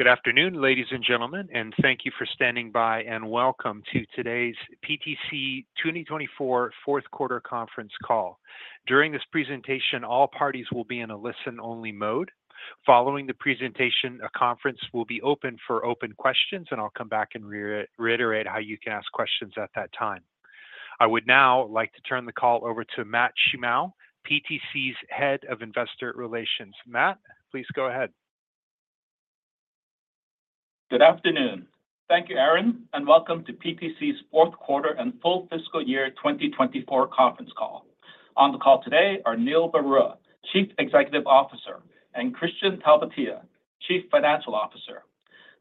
Good afternoon, ladies and gentlemen, and thank you for standing by and welcome to today's PTC 2024 Fourth Quarter Conference Call. During this presentation, all parties will be in a listen-only mode. Following the presentation, a conference will be open for open questions, and I'll come back and reiterate how you can ask questions at that time. I would now like to turn the call over to Matt Shimao, PTC's Head of Investor Relations. Matt, please go ahead. Good afternoon. Thank you, Aaron, and welcome to PTC's fourth quarter and full fiscal year 2024 conference call. On the call today are Neil Barua, Chief Executive Officer, and Kristian Talvitie, Chief Financial Officer.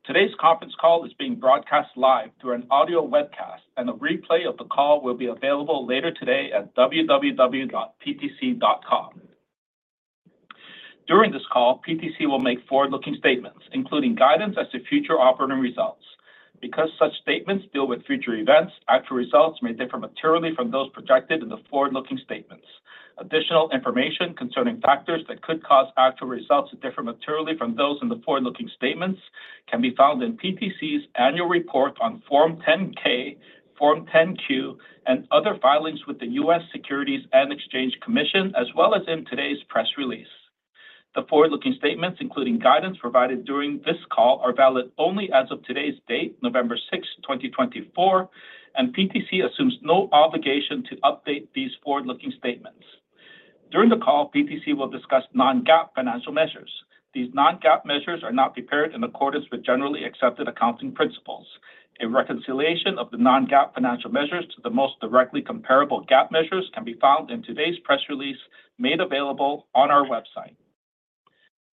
Today's conference call is being broadcast live through an audio webcast, and a replay of the call will be available later today at www.ptc.com. During this call, PTC will make forward-looking statements, including guidance as to future operating results. Because such statements deal with future events, actual results may differ materially from those projected in the forward-looking statements. Additional information concerning factors that could cause actual results to differ materially from those in the forward-looking statements can be found in PTC's annual report on Form 10-K, Form 10-Q, and other filings with the U.S. Securities and Exchange Commission, as well as in today's press release. The forward-looking statements, including guidance provided during this call, are valid only as of today's date, November 6, 2024, and PTC assumes no obligation to update these forward-looking statements. During the call, PTC will discuss non-GAAP financial measures. These non-GAAP measures are not prepared in accordance with generally accepted accounting principles. A reconciliation of the non-GAAP financial measures to the most directly comparable GAAP measures can be found in today's press release made available on our website.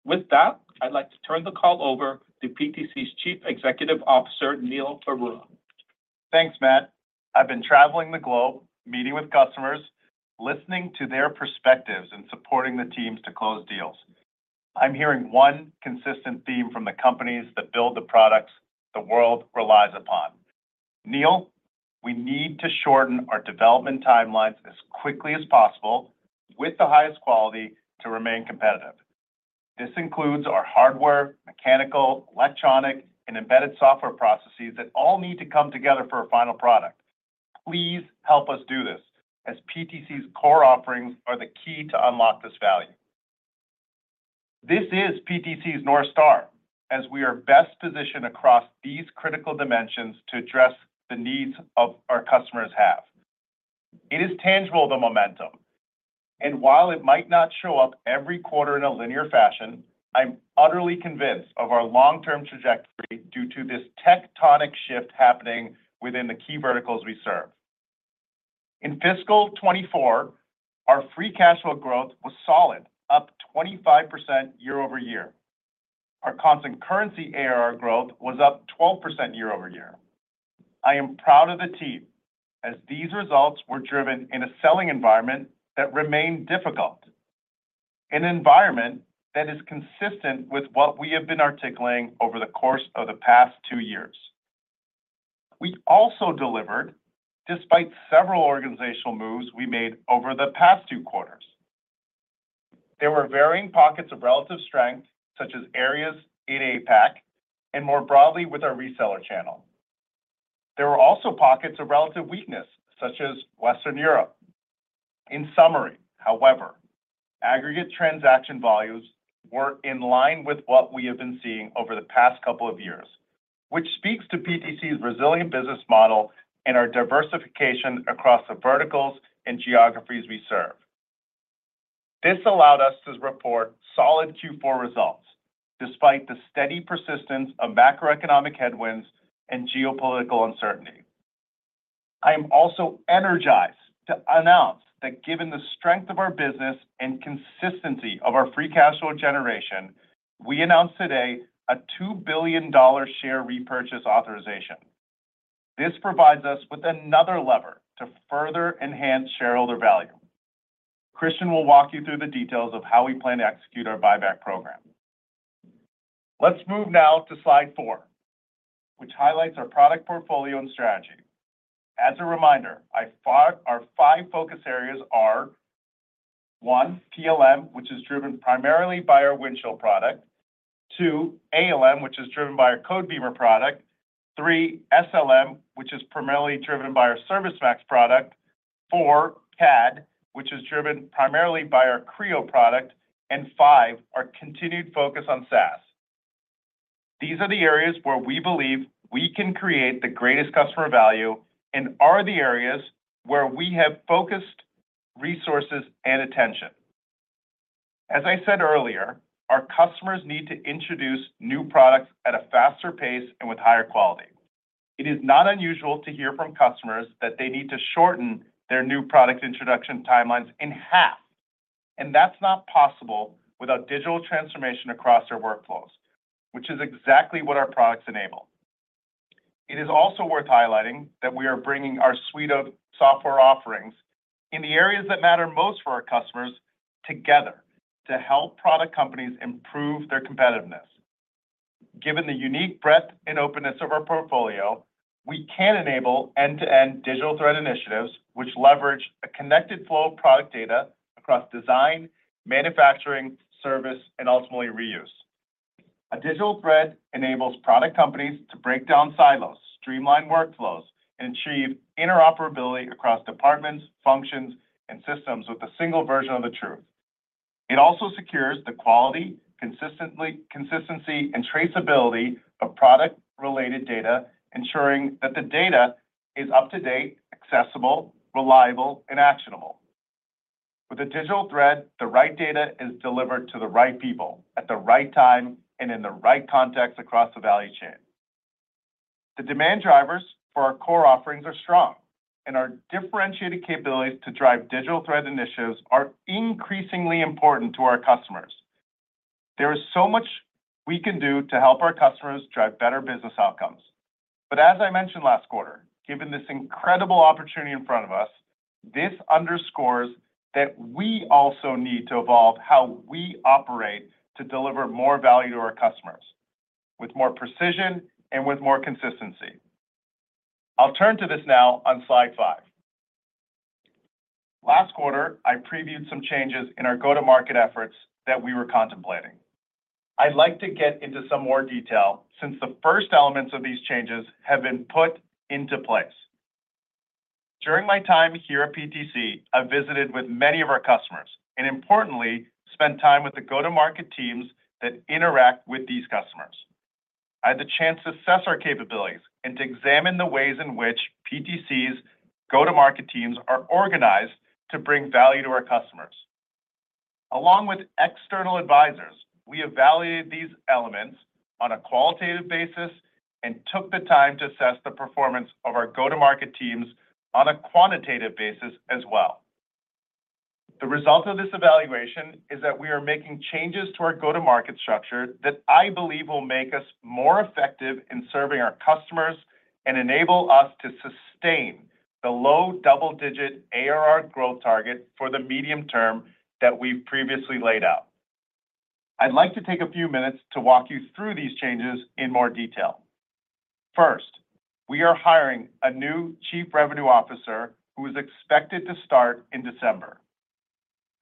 With that, I'd like to turn the call over to PTC's Chief Executive Officer, Neil Barua. Thanks, Matt. I've been traveling the globe, meeting with customers, listening to their perspectives, and supporting the teams to close deals. I'm hearing one consistent theme from the companies that build the products the world relies upon. Neil, we need to shorten our development timelines as quickly as possible with the highest quality to remain competitive. This includes our hardware, mechanical, electronic, and embedded software processes that all need to come together for a final product. Please help us do this, as PTC's core offerings are the key to unlock this value. This is PTC's North Star, as we are best positioned across these critical dimensions to address the needs our customers have. It is tangible, the momentum, and while it might not show up every quarter in a linear fashion, I'm utterly convinced of our long-term trajectory due to this tectonic shift happening within the key verticals we serve. In fiscal 2024, our free cash flow growth was solid, up 25% year over year. Our constant currency ARR growth was up 12% year over year. I am proud of the team, as these results were driven in a selling environment that remained difficult, an environment that is consistent with what we have been articulating over the course of the past two years. We also delivered, despite several organizational moves we made over the past two quarters. There were varying pockets of relative strength, such as areas in APAC and more broadly with our reseller channel. There were also pockets of relative weakness, such as Western Europe. In summary, however, aggregate transaction volumes were in line with what we have been seeing over the past couple of years, which speaks to PTC's resilient business model and our diversification across the verticals and geographies we serve. This allowed us to report solid Q4 results, despite the steady persistence of macroeconomic headwinds and geopolitical uncertainty. I am also energized to announce that, given the strength of our business and consistency of our free cash flow generation, we announced today a $2 billion share repurchase authorization. This provides us with another lever to further enhance shareholder value. Kristian will walk you through the details of how we plan to execute our buyback program. Let's move now to slide 4, which highlights our product portfolio and strategy. As a reminder, our five focus areas are: one, PLM, which is driven primarily by our Windchill product; two, ALM, which is driven by our Codebeamer product; three, SLM, which is primarily driven by our ServiceMax product; four, CAD, which is driven primarily by our Creo product; and five, our continued focus on SaaS. These are the areas where we believe we can create the greatest customer value and are the areas where we have focused resources and attention. As I said earlier, our customers need to introduce new products at a faster pace and with higher quality. It is not unusual to hear from customers that they need to shorten their new product introduction timelines in half, and that's not possible without digital transformation across their workflows, which is exactly what our products enable. It is also worth highlighting that we are bringing our suite of software offerings in the areas that matter most for our customers together to help product companies improve their competitiveness. Given the unique breadth and openness of our portfolio, we can enable end-to-end Digital Thread initiatives, which leverage a connected flow of product data across design, manufacturing, service, and ultimately reuse. A digital thread enables product companies to break down silos, streamline workflows, and achieve interoperability across departments, functions, and systems with a single version of the truth. It also secures the quality, consistency, and traceability of product-related data, ensuring that the data is up-to-date, accessible, reliable, and actionable. With a digital thread, the right data is delivered to the right people at the right time and in the right context across the value chain. The demand drivers for our core offerings are strong, and our differentiated capabilities to drive digital thread initiatives are increasingly important to our customers. There is so much we can do to help our customers drive better business outcomes. But as I mentioned last quarter, given this incredible opportunity in front of us, this underscores that we also need to evolve how we operate to deliver more value to our customers with more precision and with more consistency. I'll turn to this now on slide 5. Last quarter, I previewed some changes in our go-to-market efforts that we were contemplating. I'd like to get into some more detail since the first elements of these changes have been put into place. During my time here at PTC, I visited with many of our customers and, importantly, spent time with the go-to-market teams that interact with these customers. I had the chance to assess our capabilities and to examine the ways in which PTC's go-to-market teams are organized to bring value to our customers. Along with external advisors, we evaluated these elements on a qualitative basis and took the time to assess the performance of our go-to-market teams on a quantitative basis as well. The result of this evaluation is that we are making changes to our go-to-market structure that I believe will make us more effective in serving our customers and enable us to sustain the low double-digit ARR growth target for the medium term that we've previously laid out. I'd like to take a few minutes to walk you through these changes in more detail. First, we are hiring a new Chief Revenue Officer who is expected to start in December.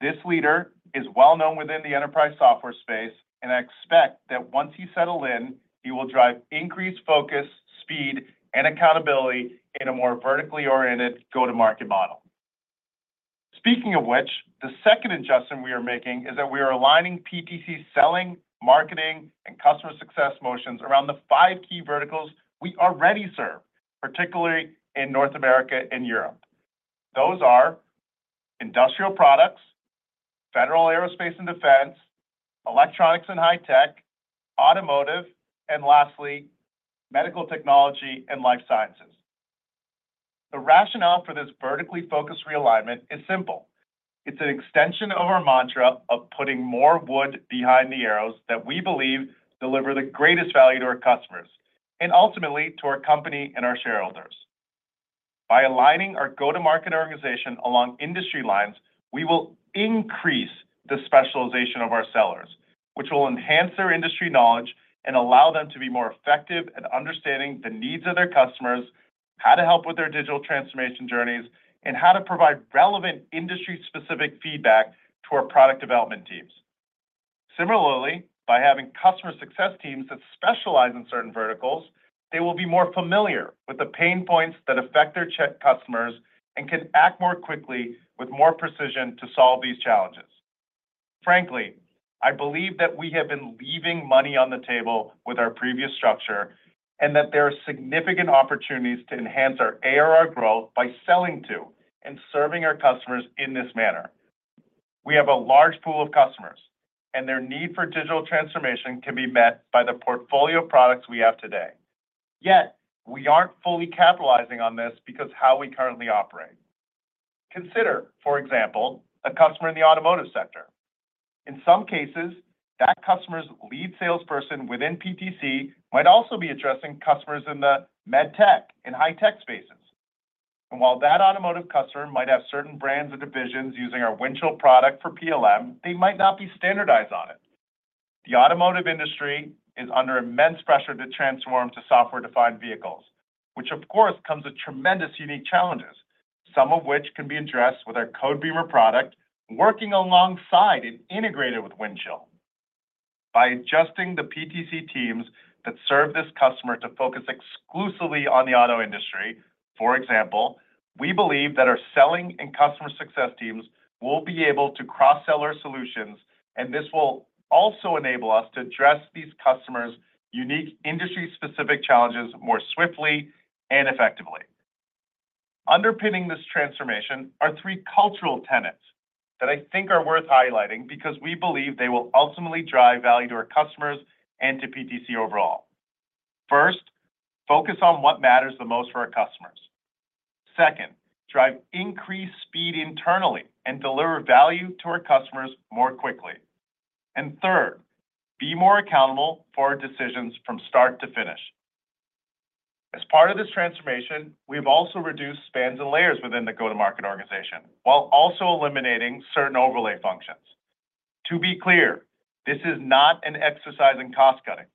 This leader is well-known within the enterprise software space, and I expect that once he settles in, he will drive increased focus, speed, and accountability in a more vertically oriented go-to-market model. Speaking of which, the second adjustment we are making is that we are aligning PTC's selling, marketing, and customer success motions around the five key verticals we already serve, particularly in North America and Europe. Those are Industrial Products, Federal Aerospace and Defense, Electronics and High-Tech, Automotive, and lastly, Medical Technology and Life Sciences. The rationale for this vertically focused realignment is simple. It's an extension of our mantra of putting more wood behind the arrows that we believe deliver the greatest value to our customers and ultimately to our company and our shareholders. By aligning our go-to-market organization along industry lines, we will increase the specialization of our sellers, which will enhance their industry knowledge and allow them to be more effective at understanding the needs of their customers, how to help with their digital transformation journeys, and how to provide relevant industry-specific feedback to our product development teams. Similarly, by having customer success teams that specialize in certain verticals, they will be more familiar with the pain points that affect their customers and can act more quickly with more precision to solve these challenges. Frankly, I believe that we have been leaving money on the table with our previous structure and that there are significant opportunities to enhance our ARR growth by selling to and serving our customers in this manner. We have a large pool of customers, and their need for digital transformation can be met by the portfolio products we have today. Yet, we aren't fully capitalizing on this because of how we currently operate. Consider, for example, a customer in the automotive sector. In some cases, that customer's lead salesperson within PTC might also be addressing customers in the med tech and high-tech spaces. And while that automotive customer might have certain brands and divisions using our Windchill product for PLM, they might not be standardized on it. The automotive industry is under immense pressure to transform to software-defined vehicles, which, of course, comes with tremendous unique challenges, some of which can be addressed with our Codebeamer product working alongside and integrated with Windchill. By adjusting the PTC teams that serve this customer to focus exclusively on the auto industry, for example, we believe that our selling and customer success teams will be able to cross-sell our solutions, and this will also enable us to address these customers' unique industry-specific challenges more swiftly and effectively. Underpinning this transformation are three cultural tenets that I think are worth highlighting because we believe they will ultimately drive value to our customers and to PTC overall. First, focus on what matters the most for our customers. Second, drive increased speed internally and deliver value to our customers more quickly. And third, be more accountable for our decisions from start to finish. As part of this transformation, we have also reduced spans and layers within the go-to-market organization while also eliminating certain overlay functions. To be clear, this is not an exercise in cost cutting.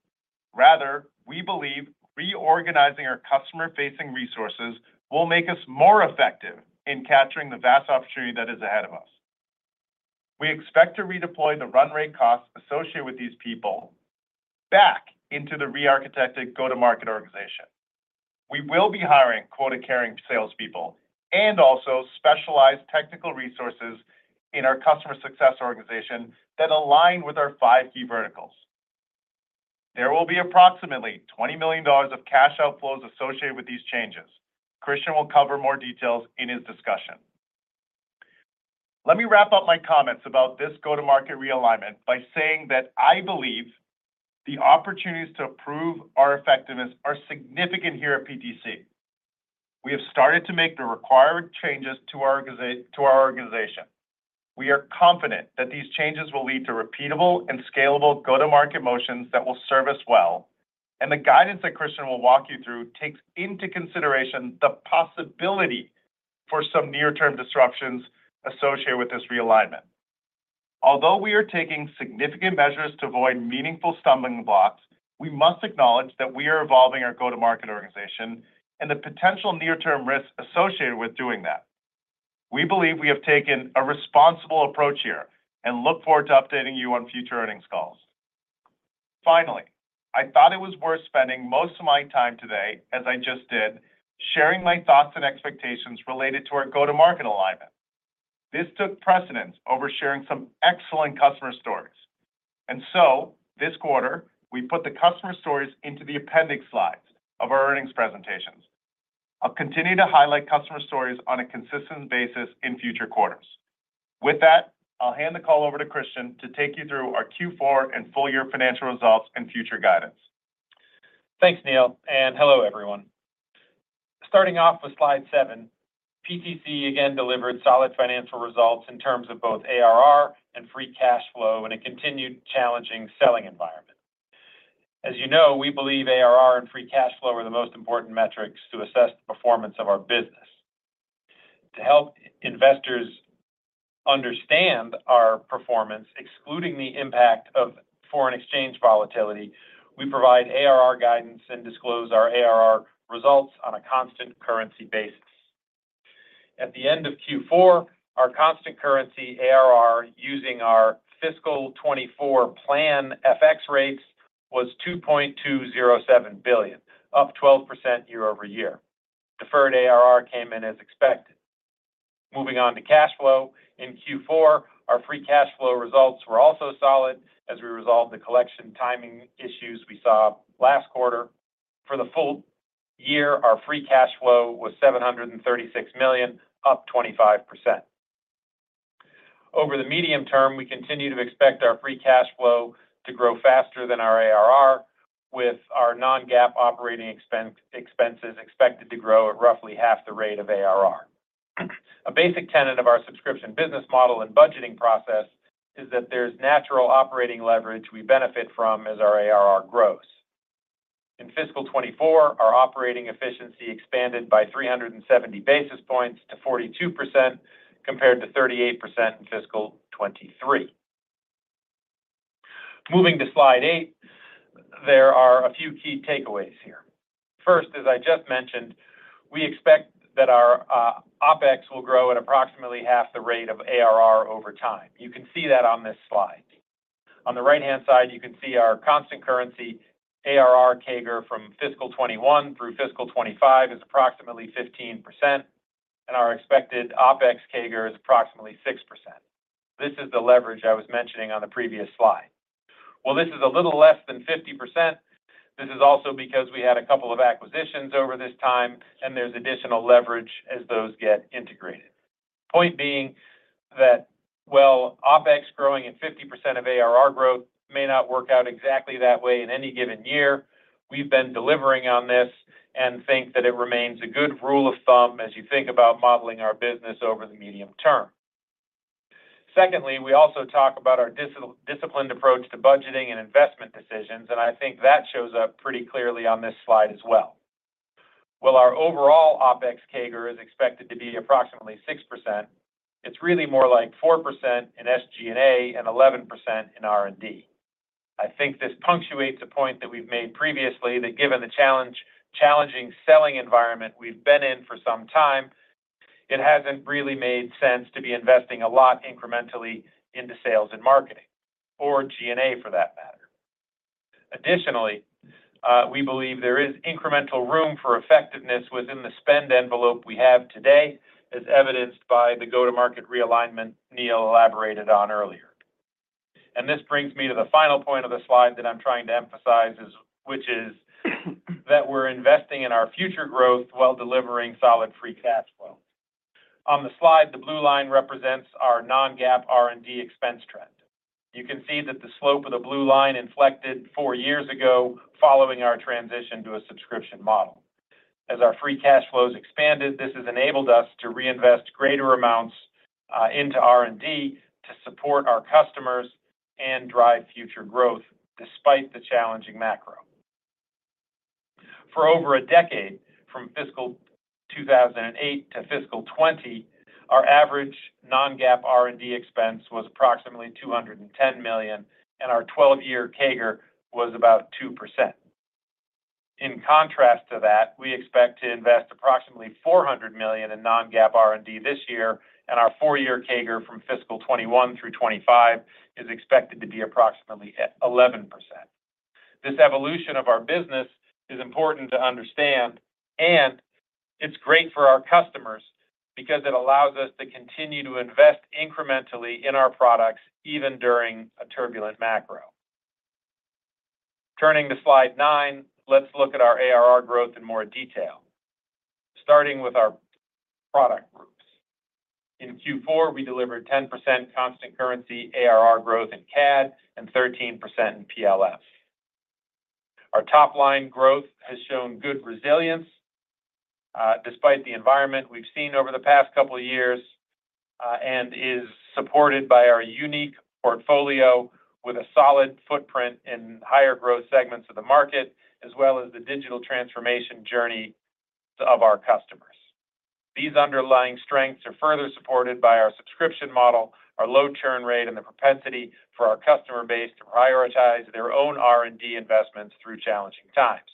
Rather, we believe reorganizing our customer-facing resources will make us more effective in capturing the vast opportunity that is ahead of us. We expect to redeploy the run rate costs associated with these people back into the re-architected go-to-market organization. We will be hiring quota-carrying salespeople and also specialized technical resources in our customer success organization that align with our five key verticals. There will be approximately $20 million of cash outflows associated with these changes. Kristian will cover more details in his discussion. Let me wrap up my comments about this go-to-market realignment by saying that I believe the opportunities to prove our effectiveness are significant here at PTC. We have started to make the required changes to our organization. We are confident that these changes will lead to repeatable and scalable go-to-market motions that will serve us well, and the guidance that Kristian will walk you through takes into consideration the possibility for some near-term disruptions associated with this realignment. Although we are taking significant measures to avoid meaningful stumbling blocks, we must acknowledge that we are evolving our go-to-market organization and the potential near-term risks associated with doing that. We believe we have taken a responsible approach here and look forward to updating you on future earnings calls. Finally, I thought it was worth spending most of my time today, as I just did, sharing my thoughts and expectations related to our go-to-market alignment. This took precedence over sharing some excellent customer stories. And so, this quarter, we put the customer stories into the appendix slides of our earnings presentations. I'll continue to highlight customer stories on a consistent basis in future quarters. With that, I'll hand the call over to Kristian to take you through our Q4 and full-year financial results and future guidance. Thanks, Neil. And hello, everyone. Starting off with slide seven, PTC again delivered solid financial results in terms of both ARR and free cash flow in a continued challenging selling environment. As you know, we believe ARR and free cash flow are the most important metrics to assess the performance of our business. To help investors understand our performance, excluding the impact of foreign exchange volatility, we provide ARR guidance and disclose our ARR results on a constant currency basis. At the end of Q4, our constant currency ARR using our fiscal 2024 plan FX rates was $2.207 billion, up 12% year over year. Deferred ARR came in as expected. Moving on to cash flow, in Q4, our free cash flow results were also solid as we resolved the collection timing issues we saw last quarter. For the full year, our free cash flow was $736 million, up 25%. Over the medium term, we continue to expect our free cash flow to grow faster than our ARR, with our non-GAAP operating expenses expected to grow at roughly half the rate of ARR. A basic tenet of our subscription business model and budgeting process is that there's natural operating leverage we benefit from as our ARR grows. In fiscal 2024, our operating efficiency expanded by 370 basis points to 42% compared to 38% in fiscal 2023. Moving to slide 8, there are a few key takeaways here. First, as I just mentioned, we expect that our OpEx will grow at approximately half the rate of ARR over time. You can see that on this slide. On the right-hand side, you can see our constant currency ARR CAGR from fiscal 2021 through fiscal 2025 is approximately 15%, and our expected OpEx CAGR is approximately 6%. This is the leverage I was mentioning on the previous slide. While this is a little less than 50%, this is also because we had a couple of acquisitions over this time, and there's additional leverage as those get integrated. Point being that while OpEx growing at 50% of ARR growth may not work out exactly that way in any given year, we've been delivering on this and think that it remains a good rule of thumb as you think about modeling our business over the medium term. Secondly, we also talk about our disciplined approach to budgeting and investment decisions, and I think that shows up pretty clearly on this slide as well. While our overall OpEx CAGR is expected to be approximately 6%, it's really more like 4% in SG&A and 11% in R&D. I think this punctuates a point that we've made previously that given the challenging selling environment we've been in for some time, it hasn't really made sense to be investing a lot incrementally into sales and marketing or G&A for that matter. Additionally, we believe there is incremental room for effectiveness within the spend envelope we have today, as evidenced by the go-to-market realignment Neil elaborated on earlier. And this brings me to the final point of the slide that I'm trying to emphasize, which is that we're investing in our future growth while delivering solid free cash flow. On the slide, the blue line represents our non-GAAP R&D expense trend. You can see that the slope of the blue line inflected four years ago following our transition to a subscription model. As our free cash flows expanded, this has enabled us to reinvest greater amounts into R&D to support our customers and drive future growth despite the challenging macro. For over a decade, from fiscal 2008 to fiscal 2020, our average non-GAAP R&D expense was approximately $210 million, and our 12-year CAGR was about 2%. In contrast to that, we expect to invest approximately $400 million in non-GAAP R&D this year, and our 4-year CAGR from fiscal 2021 through 2025 is expected to be approximately 11%. This evolution of our business is important to understand, and it's great for our customers because it allows us to continue to invest incrementally in our products even during a turbulent macro. Turning to slide 9, let's look at our ARR growth in more detail, starting with our product groups. In Q4, we delivered 10% constant currency ARR growth in CAD and 13% in PLM. Our top-line growth has shown good resilience despite the environment we've seen over the past couple of years and is supported by our unique portfolio with a solid footprint in higher growth segments of the market, as well as the digital transformation journey of our customers. These underlying strengths are further supported by our subscription model, our low churn rate, and the propensity for our customer base to prioritize their own R&D investments through challenging times.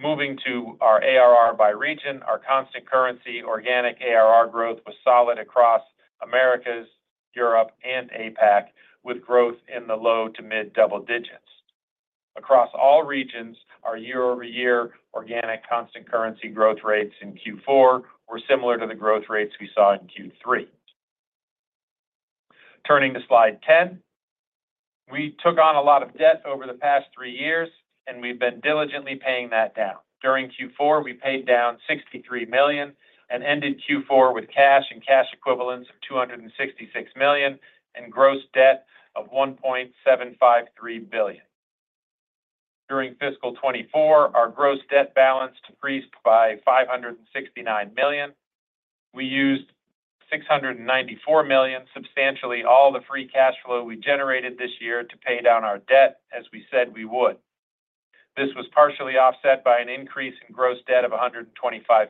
Moving to our ARR by region, our constant currency organic ARR growth was solid across Americas, Europe, and APAC, with growth in the low to mid double digits. Across all regions, our year-over-year organic constant currency growth rates in Q4 were similar to the growth rates we saw in Q3. Turning to slide 10, we took on a lot of debt over the past three years, and we've been diligently paying that down. During Q4, we paid down $63 million and ended Q4 with cash and cash equivalents of $266 million and gross debt of $1.753 billion. During fiscal 2024, our gross debt balance decreased by $569 million. We used $694 million substantially all the free cash flow we generated this year to pay down our debt as we said we would. This was partially offset by an increase in gross debt of $125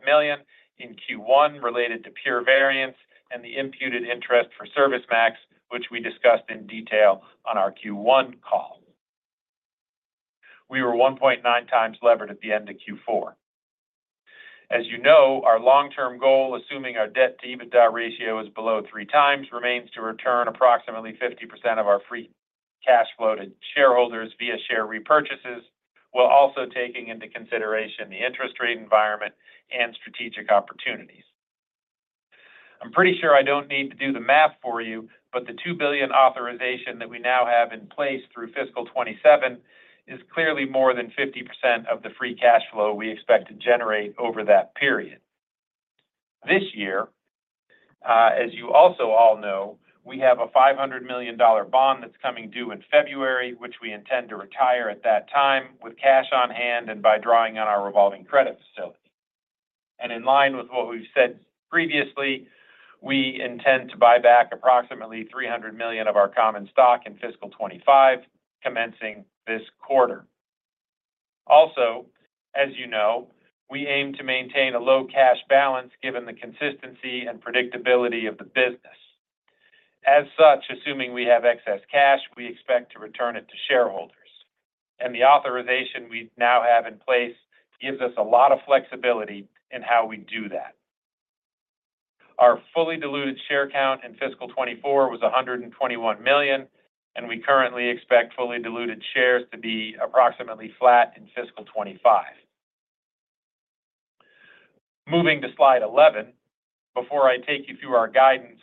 million in Q1 related to FX variance and the imputed interest for ServiceMax, which we discussed in detail on our Q1 call. We were 1.9x levered at the end of Q4. As you know, our long-term goal, assuming our debt-to-EBITDA ratio is below 3x, remains to return approximately 50% of our free cash flow to shareholders via share repurchases, while also taking into consideration the interest rate environment and strategic opportunities. I'm pretty sure I don't need to do the math for you, but the $2 billion authorization that we now have in place through fiscal 2027 is clearly more than 50% of the free cash flow we expect to generate over that period. This year, as you also all know, we have a $500 million bond that's coming due in February, which we intend to retire at that time with cash on hand and by drawing on our revolving credit facility, and in line with what we've said previously, we intend to buy back approximately $300 million of our common stock in fiscal 2025, commencing this quarter. Also, as you know, we aim to maintain a low cash balance given the consistency and predictability of the business. As such, assuming we have excess cash, we expect to return it to shareholders. The authorization we now have in place gives us a lot of flexibility in how we do that. Our fully diluted share count in fiscal 2024 was $121 million, and we currently expect fully diluted shares to be approximately flat in fiscal 2025. Moving to slide 11, before I take you through our guidance,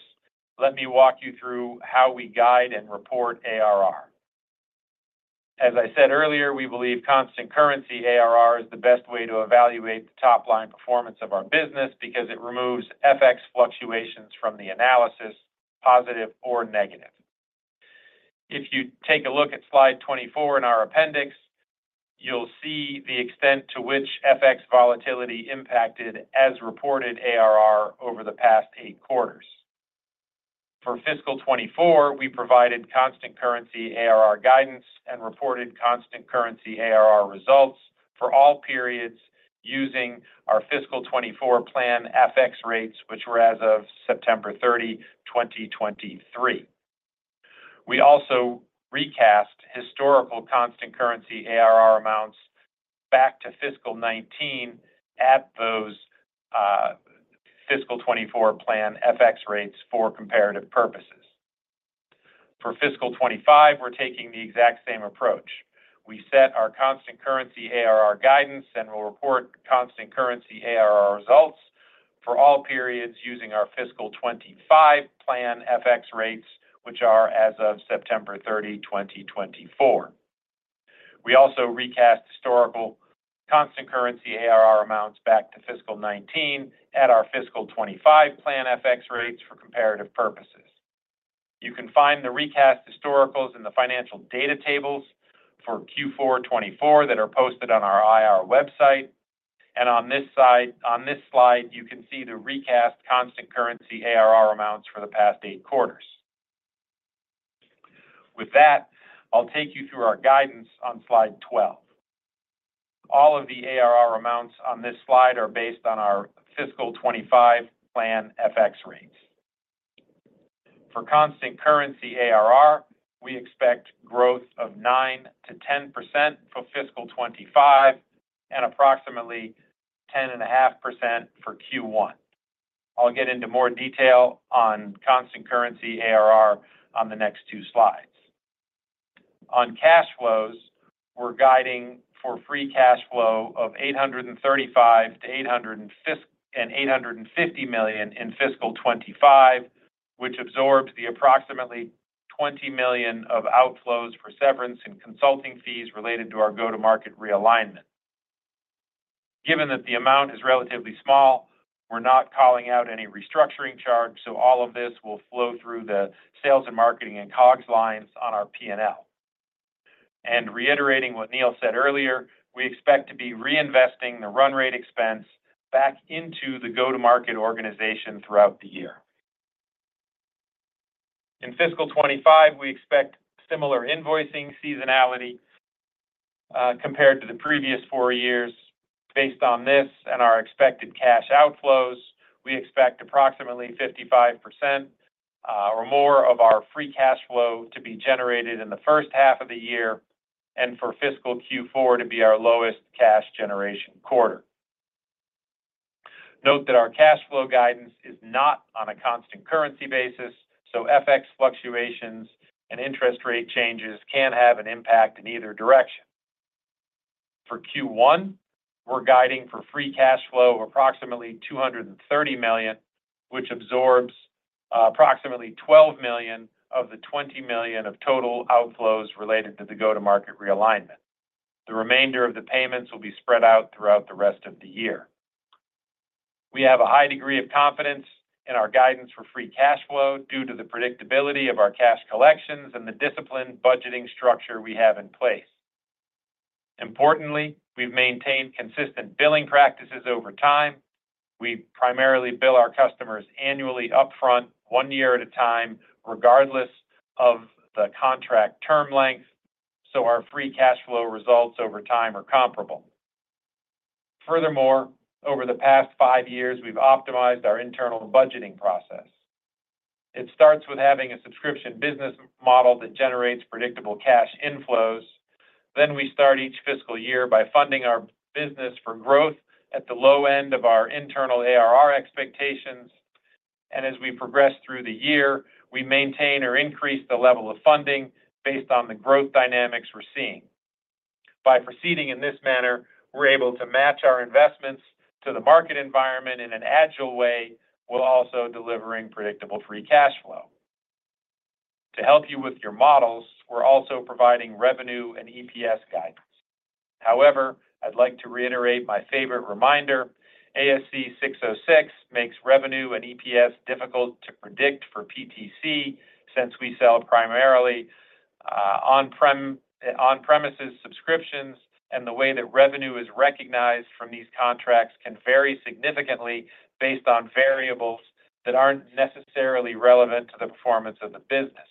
let me walk you through how we guide and report ARR. As I said earlier, we believe constant currency ARR is the best way to evaluate the top-line performance of our business because it removes FX fluctuations from the analysis, positive or negative. If you take a look at slide 24 in our appendix, you'll see the extent to which FX volatility impacted as reported ARR over the past eight quarters. For fiscal 2024, we provided constant currency ARR guidance and reported constant currency ARR results for all periods using our fiscal 2024 plan FX rates, which were as of September 30, 2023. We also recast historical constant currency ARR amounts back to fiscal 2019 at those fiscal 2024 plan FX rates for comparative purposes. For fiscal 2025, we're taking the exact same approach. We set our constant currency ARR guidance and will report constant currency ARR results for all periods using our fiscal 2025 plan FX rates, which are as of September 30, 2024. We also recast historical constant currency ARR amounts back to fiscal '19 at our fiscal 2025 plan FX rates for comparative purposes. You can find the recast historicals in the financial data tables for Q4 2024 that are posted on our IR website. On this slide, you can see the recast constant currency ARR amounts for the past eight quarters. With that, I'll take you through our guidance on slide 12. All of the ARR amounts on this slide are based on our fiscal 2025 plan FX rates. For constant currency ARR, we expect growth of 9%-10% for fiscal 2025 and approximately 10.5% for Q1. I'll get into more detail on constant currency ARR on the next two slides. On cash flows, we're guiding for free cash flow of $835 million-$850 million in fiscal 2025, which absorbs the approximately $20 million of outflows for severance and consulting fees related to our go-to-market realignment. Given that the amount is relatively small, we're not calling out any restructuring charge, so all of this will flow through the sales and marketing and COGS lines on our P&L. Reiterating what Neil said earlier, we expect to be reinvesting the run rate expense back into the go-to-market organization throughout the year. In fiscal 2025, we expect similar invoicing seasonality compared to the previous four years. Based on this and our expected cash outflows, we expect approximately 55% or more of our free cash flow to be generated in the first half of the year and for fiscal Q4 to be our lowest cash generation quarter. Note that our cash flow guidance is not on a constant currency basis, so FX fluctuations and interest rate changes can have an impact in either direction. For Q1, we're guiding for free cash flow of approximately $230 million, which absorbs approximately $12 million of the $20 million of total outflows related to the go-to-market realignment. The remainder of the payments will be spread out throughout the rest of the year. We have a high degree of confidence in our guidance for free cash flow due to the predictability of our cash collections and the disciplined budgeting structure we have in place. Importantly, we've maintained consistent billing practices over time. We primarily bill our customers annually upfront, one year at a time, regardless of the contract term length, so our free cash flow results over time are comparable. Furthermore, over the past five years, we've optimized our internal budgeting process. It starts with having a subscription business model that generates predictable cash inflows. Then we start each fiscal year by funding our business for growth at the low end of our internal ARR expectations, and as we progress through the year, we maintain or increase the level of funding based on the growth dynamics we're seeing. By proceeding in this manner, we're able to match our investments to the market environment in an agile way while also delivering predictable free cash flow. To help you with your models, we're also providing revenue and EPS guidance. However, I'd like to reiterate my favorite reminder. ASC 606 makes revenue and EPS difficult to predict for PTC since we sell primarily on-premises subscriptions, and the way that revenue is recognized from these contracts can vary significantly based on variables that aren't necessarily relevant to the performance of the business.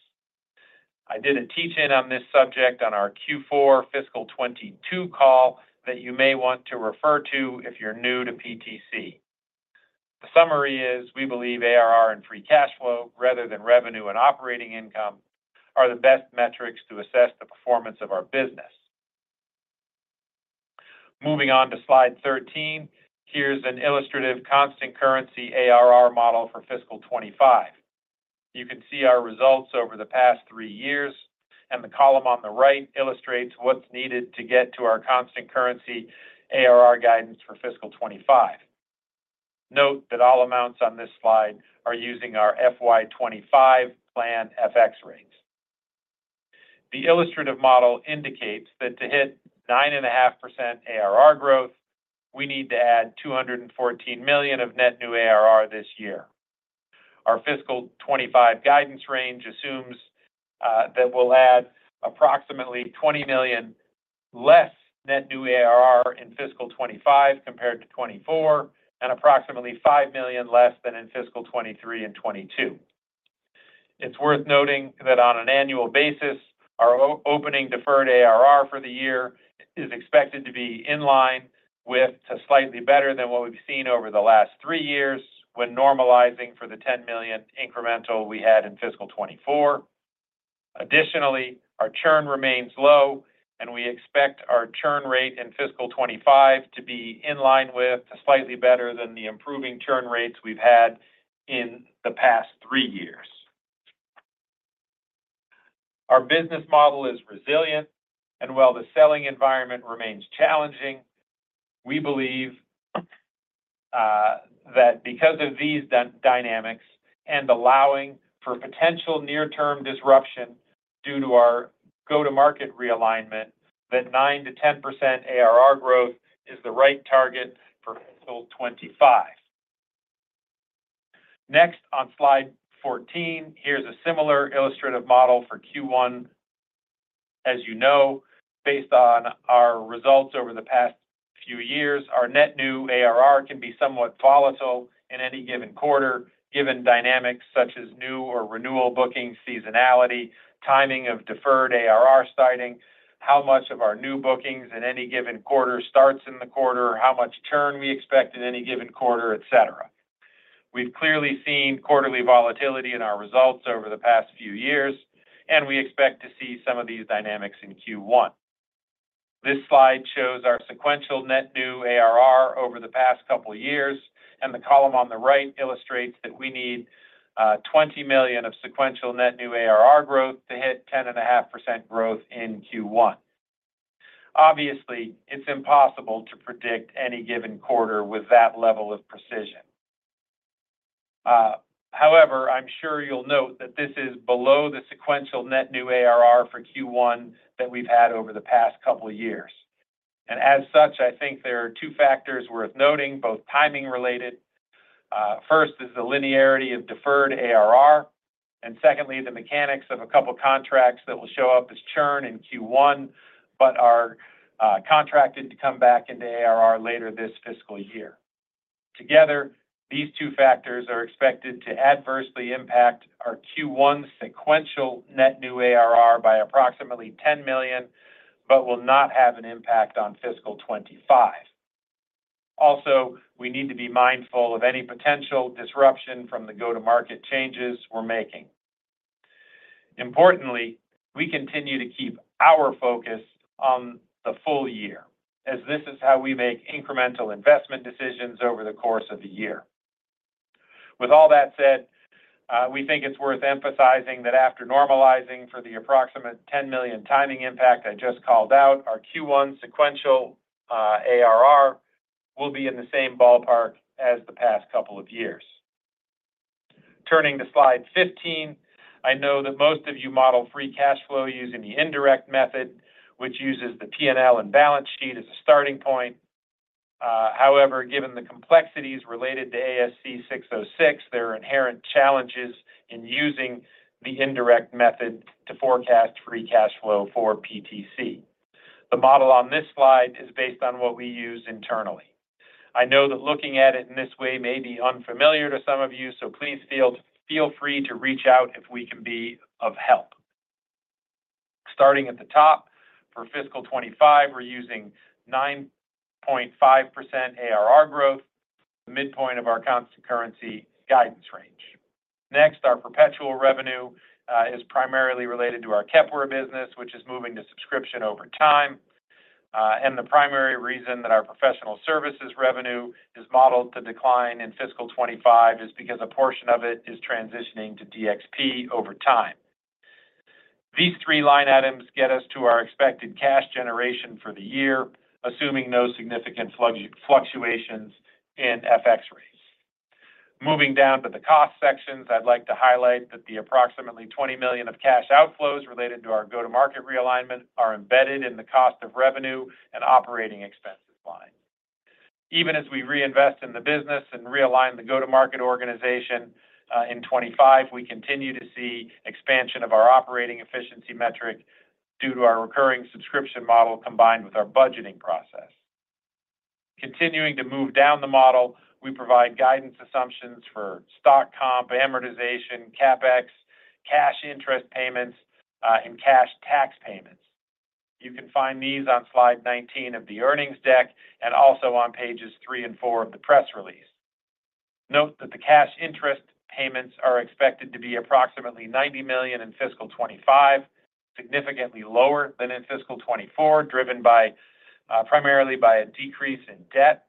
I did a teach-in on this subject on our Q4 fiscal 2022 call that you may want to refer to if you're new to PTC. The summary is we believe ARR and free cash flow, rather than revenue and operating income, are the best metrics to assess the performance of our business. Moving on to slide 13, here's an illustrative constant currency ARR model for fiscal 2025. You can see our results over the past three years, and the column on the right illustrates what's needed to get to our constant currency ARR guidance for fiscal 2025. Note that all amounts on this slide are using our FY 2025 plan FX rates. The illustrative model indicates that to hit 9.5% ARR growth, we need to add $214 million of net new ARR this year. Our fiscal 2025 guidance range assumes that we'll add approximately $20 million less net new ARR in fiscal 2025 compared to 2024, and approximately $5 million less than in fiscal 2023 and 2022. It's worth noting that on an annual basis, our opening deferred ARR for the year is expected to be in line with to slightly better than what we've seen over the last three years when normalizing for the $10 million incremental we had in fiscal 2024. Additionally, our churn remains low, and we expect our churn rate in fiscal 2025 to be in line with to slightly better than the improving churn rates we've had in the past three years. Our business model is resilient, and while the selling environment remains challenging, we believe that because of these dynamics and allowing for potential near-term disruption due to our go-to-market realignment, that 9%-10% ARR growth is the right target for fiscal 2025. Next, on slide 14, here's a similar illustrative model for Q1. As you know, based on our results over the past few years, our net new ARR can be somewhat volatile in any given quarter, given dynamics such as new or renewal booking seasonality, timing of deferred ARR starting, how much of our new bookings in any given quarter starts in the quarter, how much churn we expect in any given quarter, etc. We've clearly seen quarterly volatility in our results over the past few years, and we expect to see some of these dynamics in Q1. This slide shows our sequential net new ARR over the past couple of years, and the column on the right illustrates that we need $20 million of sequential net new ARR growth to hit 10.5% growth in Q1. Obviously, it's impossible to predict any given quarter with that level of precision. However, I'm sure you'll note that this is below the sequential net new ARR for Q1 that we've had over the past couple of years, and as such, I think there are two factors worth noting, both timing-related. First is the linearity of deferred ARR, and secondly, the mechanics of a couple of contracts that will show up as churn in Q1, but are contracted to come back into ARR later this fiscal year. Together, these two factors are expected to adversely impact our Q1 sequential net new ARR by approximately $10 million, but will not have an impact on fiscal 2025. Also, we need to be mindful of any potential disruption from the go-to-market changes we're making. Importantly, we continue to keep our focus on the full year, as this is how we make incremental investment decisions over the course of the year. With all that said, we think it's worth emphasizing that after normalizing for the approximate $10 million timing impact I just called out, our Q1 sequential ARR will be in the same ballpark as the past couple of years. Turning to slide 15, I know that most of you model free cash flow using the indirect method, which uses the P&L and balance sheet as a starting point. However, given the complexities related to ASC 606, there are inherent challenges in using the indirect method to forecast free cash flow for PTC. The model on this slide is based on what we use internally. I know that looking at it in this way may be unfamiliar to some of you, so please feel free to reach out if we can be of help. Starting at the top, for fiscal 2025, we're using 9.5% ARR growth, the midpoint of our constant currency guidance range. Next, our perpetual revenue is primarily related to our Kepware business, which is moving to subscription over time. And the primary reason that our professional services revenue is modeled to decline in fiscal 2025 is because a portion of it is transitioning to DXC over time. These three line items get us to our expected cash generation for the year, assuming no significant fluctuations in FX rates. Moving down to the cost sections, I'd like to highlight that the approximately $20 million of cash outflows related to our go-to-market realignment are embedded in the cost of revenue and operating expenses line. Even as we reinvest in the business and realign the go-to-market organization in 2025, we continue to see expansion of our operating efficiency metric due to our recurring subscription model combined with our budgeting process. Continuing to move down the model, we provide guidance assumptions for stock comp, amortization, CapEx, cash interest payments, and cash tax payments. You can find these on slide 19 of the earnings deck and also on pages 3 and 4 of the press release. Note that the cash interest payments are expected to be approximately $90 million in fiscal 2025, significantly lower than in fiscal 2024, driven primarily by a decrease in debt.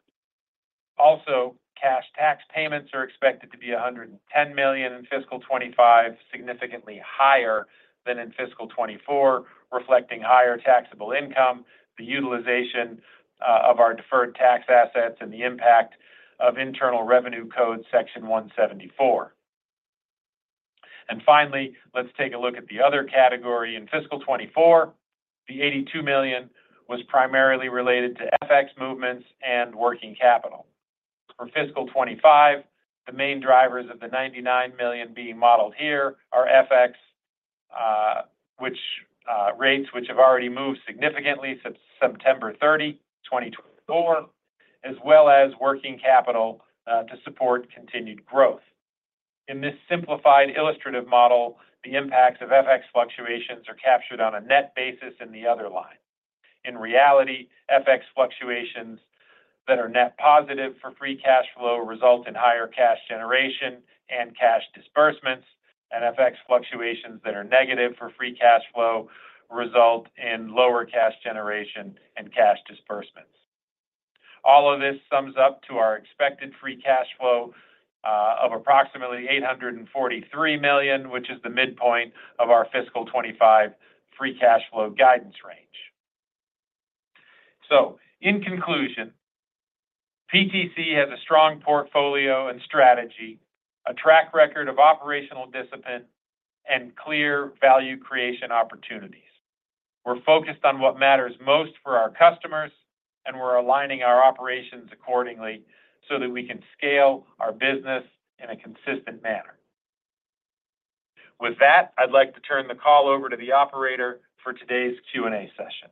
Also, cash tax payments are expected to be $110 million in fiscal 2025, significantly higher than in fiscal 2024, reflecting higher taxable income, the utilization of our deferred tax assets, and the impact of Internal Revenue Code Section 174. And finally, let's take a look at the other category. In fiscal 2024, the $82 million was primarily related to FX movements and working capital. For fiscal 2025, the main drivers of the $99 million being modeled here are FX, which rates have already moved significantly since September 30, 2024, as well as working capital to support continued growth. In this simplified illustrative model, the impacts of FX fluctuations are captured on a net basis in the other line. In reality, FX fluctuations that are net positive for free cash flow result in higher cash generation and cash disbursements, and FX fluctuations that are negative for free cash flow result in lower cash generation and cash disbursements. All of this sums up to our expected free cash flow of approximately $843 million, which is the midpoint of our fiscal 2025 free cash flow guidance range. So, in conclusion, PTC has a strong portfolio and strategy, a track record of operational discipline, and clear value creation opportunities. We're focused on what matters most for our customers, and we're aligning our operations accordingly so that we can scale our business in a consistent manner. With that, I'd like to turn the call over to the operator for today's Q&A session.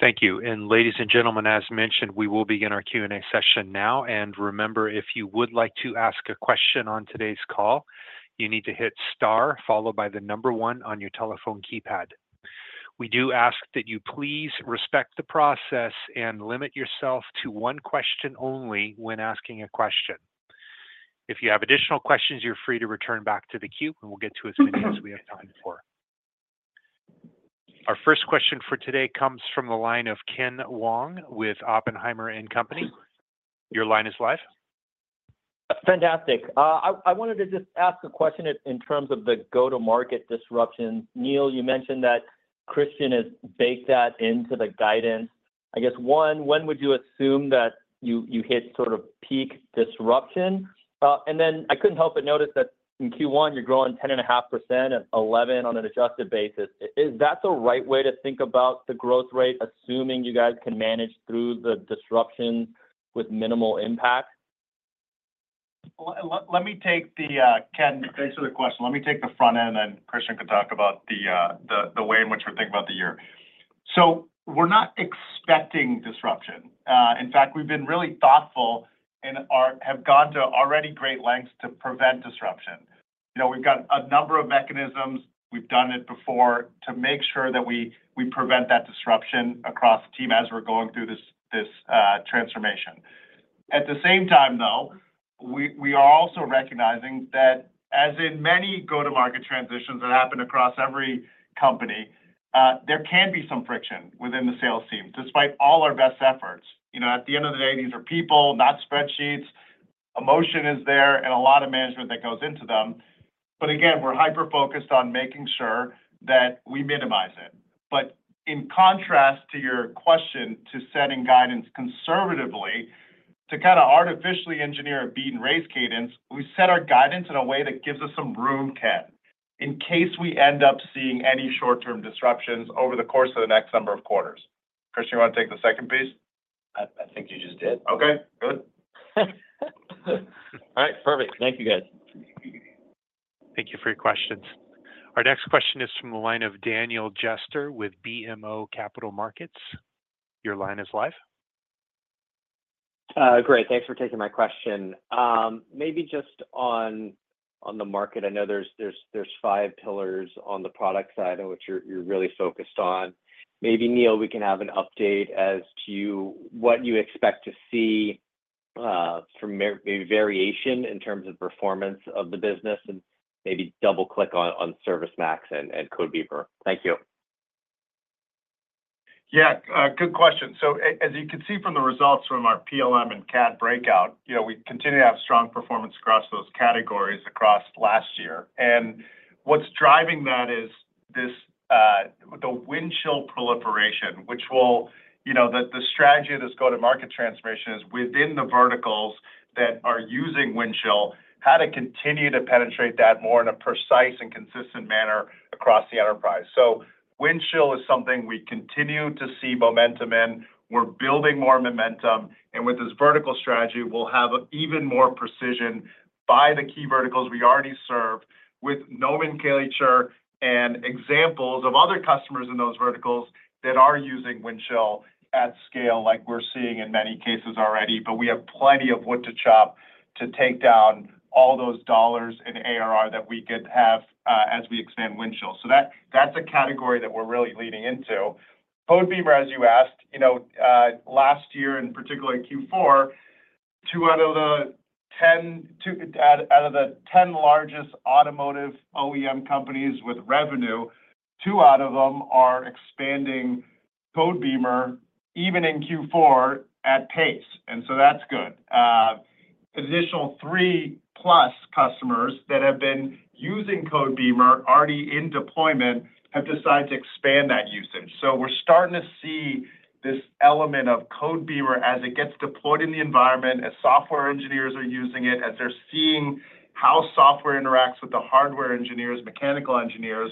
Thank you. And ladies and gentlemen, as mentioned, we will begin our Q&A session now. And remember, if you would like to ask a question on today's call, you need to hit star followed by the number one on your telephone keypad. We do ask that you please respect the process and limit yourself to one question only when asking a question. If you have additional questions, you're free to return back to the queue, and we'll get to as many as we have time for. Our first question for today comes from the line of Ken Wong with Oppenheimer & Company. Your line is live. Fantastic. I wanted to just ask a question in terms of the go-to-market disruption. Neil, you mentioned that Kristian has baked that into the guidance. I guess, one, when would you assume that you hit sort of peak disruption? And then I couldn't help but notice that in Q1, you're growing 10.5% at 11% on an adjusted basis. Is that the right way to think about the growth rate, assuming you guys can manage through the disruptions with minimal impact? Let me take the, Ken, thanks for the question. Let me take the front end, and then Kristian can talk about the way in which we're thinking about the year. So we're not expecting disruption. In fact, we've been really thoughtful and have gone to already great lengths to prevent disruption. We've got a number of mechanisms. We've done it before to make sure that we prevent that disruption across the team as we're going through this transformation. At the same time, though, we are also recognizing that, as in many go-to-market transitions that happen across every company, there can be some friction within the sales team, despite all our best efforts. At the end of the day, these are people, not spreadsheets. Emotion is there, and a lot of management that goes into them. But again, we're hyper-focused on making sure that we minimize it. But in contrast to your question to setting guidance conservatively, to kind of artificially engineer a beat-and-race cadence, we set our guidance in a way that gives us some room, Ken, in case we end up seeing any short-term disruptions over the course of the next number of quarters. Kristian, you want to take the second piece? I think you just did. Okay. Good. All right. Perfect. Thank you, guys. Thank you for your questions. Our next question is from the line of Daniel Jester with BMO Capital Markets. Your line is live. Great. Thanks for taking my question. Maybe just on the market, I know there's five pillars on the product side of which you're really focused on. Maybe, Neil, we can have an update as to what you expect to see from maybe variation in terms of performance of the business and maybe double-click on ServiceMax and Codebeamer. Thank you. Yeah. Good question. So as you can see from the results from our PLM and CAD breakout, we continue to have strong performance across those categories across last year. And what's driving that is the Windchill proliferation, which will, the strategy of this go-to-market transformation is within the verticals that are using Windchill, how to continue to penetrate that more in a precise and consistent manner across the enterprise. So Windchill is something we continue to see momentum in. We're building more momentum. And with this vertical strategy, we'll have even more precision by the key verticals we already serve with Norman Kärcher and examples of other customers in those verticals that are using Windchill at scale like we're seeing in many cases already. But we have plenty of wood to chop to take down all those dollars in ARR that we could have as we expand Windchill. That's a category that we're really leaning into. Codebeamer, as you asked, last year, in particular, Q4, two out of the 10 largest automotive OEM companies with revenue, two out of them are expanding Codebeamer even in Q4 at pace. And so that's good. Additional three-plus customers that have been using Codebeamer already in deployment have decided to expand that usage. We're starting to see this element of Codebeamer as it gets deployed in the environment, as software engineers are using it, as they're seeing how software interacts with the hardware engineers, mechanical engineers.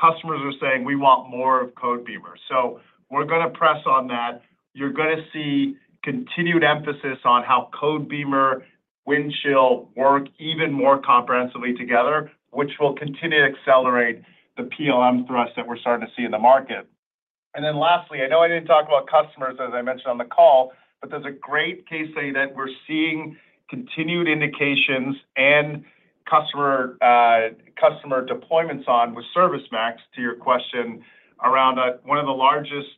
Customers are saying, "We want more of Codebeamer." We're going to press on that. You're going to see continued emphasis on how Codebeamer, Windchill, work even more comprehensively together, which will continue to accelerate the PLM thrust that we're starting to see in the market. And then lastly, I know I didn't talk about customers, as I mentioned on the call, but there's a great case study that we're seeing continued indications and customer deployments on with ServiceMax, to your question around one of the largest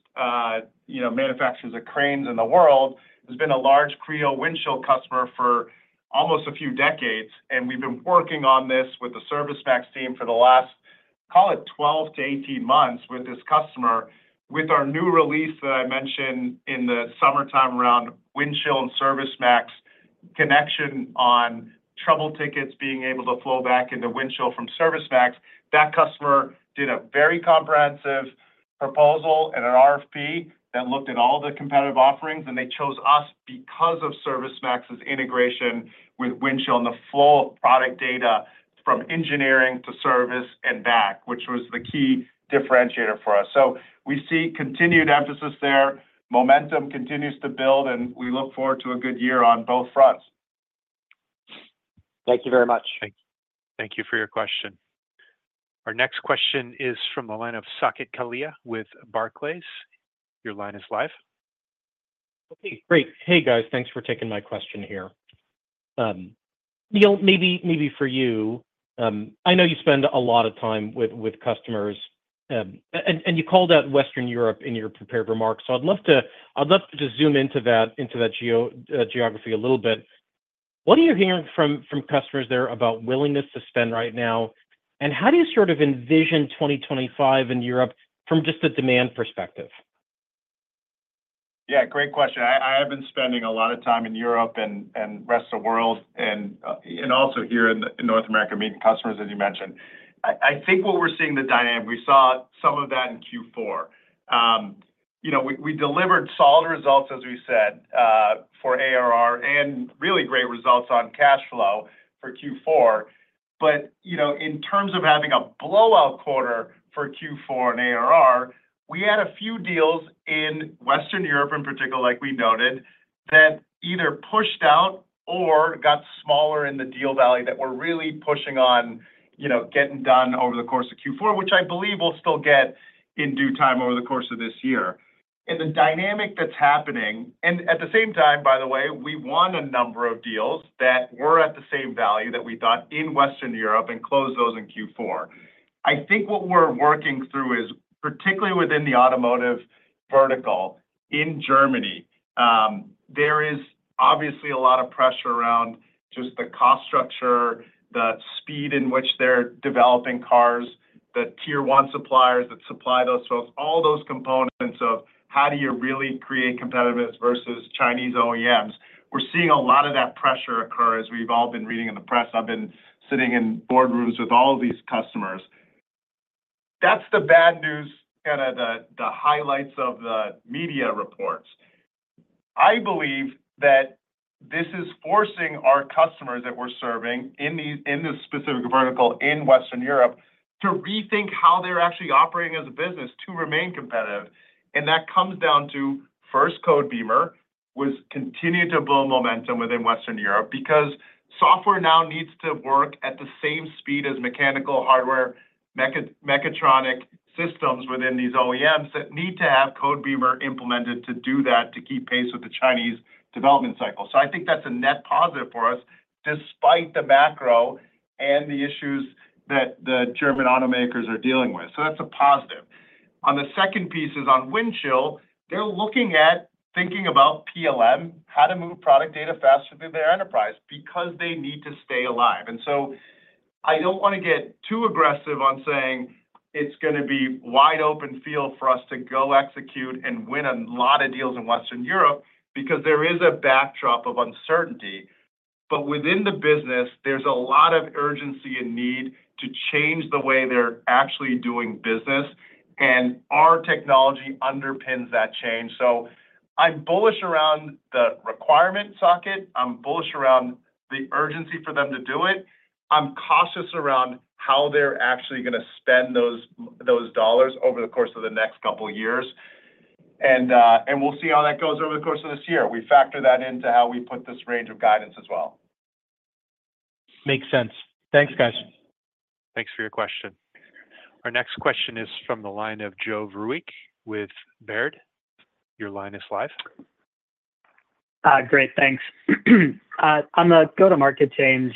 manufacturers of cranes in the world. There's been a large Creo Windchill customer for almost a few decades. And we've been working on this with the ServiceMax team for the last, call it 12 to 18 months with this customer. With our new release that I mentioned in the summertime around Windchill and ServiceMax connection on trouble tickets being able to flow back into Windchill from ServiceMax, that customer did a very comprehensive proposal and an RFP that looked at all the competitive offerings, and they chose us because of ServiceMax's integration with Windchill and the flow of product data from engineering to service and back, which was the key differentiator for us, so we see continued emphasis there. Momentum continues to build, and we look forward to a good year on both fronts. Thank you very much. Thank you for your question. Our next question is from the line of Saket Kalia with Barclays. Your line is live. Okay. Great. Hey, guys. Thanks for taking my question here. Neil, maybe for you. I know you spend a lot of time with customers, and you called out Western Europe in your prepared remarks. So I'd love to just zoom into that geography a little bit. What are you hearing from customers there about willingness to spend right now? And how do you sort of envision 2025 in Europe from just a demand perspective? Yeah. Great question. I have been spending a lot of time in Europe and the rest of the world and also here in North America meeting customers, as you mentioned. I think what we're seeing, the dynamic we saw some of that in Q4. We delivered solid results, as we said, for ARR and really great results on cash flow for Q4. But in terms of having a blowout quarter for Q4 and ARR, we had a few deals in Western Europe in particular, like we noted, that either pushed out or got smaller in the deal value that we're really pushing on getting done over the course of Q4, which I believe we'll still get in due time over the course of this year. And the dynamic that's happening, and at the same time, by the way, we won a number of deals that were at the same value that we thought in Western Europe and closed those in Q4. I think what we're working through is, particularly within the automotive vertical in Germany, there is obviously a lot of pressure around just the cost structure, the speed in which they're developing cars, the tier one suppliers that supply those folks, all those components of how do you really create competitiveness versus Chinese OEMs. We're seeing a lot of that pressure occur as we've all been reading in the press. I've been sitting in boardrooms with all of these customers. That's the bad news, kind of the highlights of the media reports. I believe that this is forcing our customers that we're serving in this specific vertical in Western Europe to rethink how they're actually operating as a business to remain competitive. That comes down to, first, Codebeamer was continuing to build momentum within Western Europe because software now needs to work at the same speed as mechanical hardware, mechatronic systems within these OEMs that need to have Codebeamer implemented to do that, to keep pace with the Chinese development cycle. I think that's a net positive for us despite the macro and the issues that the German automakers are dealing with. So that's a positive. On the second piece is on Windchill. They're looking at thinking about PLM, how to move product data faster through their enterprise because they need to stay alive. So I don't want to get too aggressive on saying it's going to be wide open field for us to go execute and win a lot of deals in Western Europe because there is a backdrop of uncertainty. But within the business, there's a lot of urgency and need to change the way they're actually doing business. And our technology underpins that change. So I'm bullish around the requirement socket. I'm bullish around the urgency for them to do it. I'm cautious around how they're actually going to spend those dollars over the course of the next couple of years. And we'll see how that goes over the course of this year. We factor that into how we put this range of guidance as well. Makes sense. Thanks, guys. Thanks for your question. Our next question is from the line of Joe Vruwink with Baird. Your line is live. Great. Thanks. On the go-to-market change,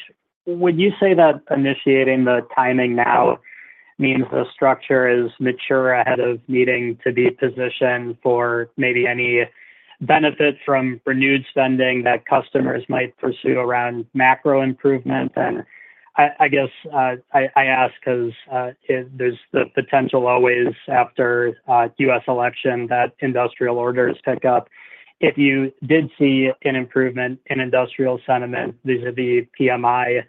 would you say that initiating the timing now means the structure is mature ahead of needing to be positioned for maybe any benefits from renewed spending that customers might pursue around macro improvement? And I guess I ask because there's the potential always after the U.S. election that industrial orders pick up. If you did see an improvement in industrial sentiment vis-à-vis PMI,